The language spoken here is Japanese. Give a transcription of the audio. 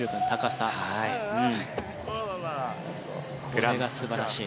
これが素晴らしい。